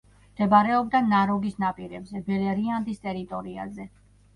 მდებარეობდა ნაროგის ნაპირებზე, ბელერიანდის ტერიტორიაზე.